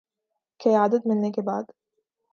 قیادت ملنے کے بعد